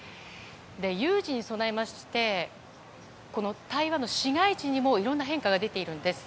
有事に備えまして台湾の市街地にもいろんな変化が出ているんです。